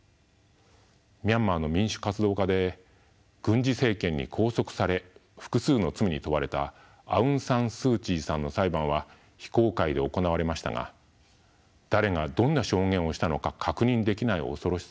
ミャンマーの民主活動家で軍事政権に拘束され複数の罪に問われたアウン・サン・スー・チーさんの裁判は非公開で行われましたが誰がどんな証言をしたのか確認できない恐ろしさ。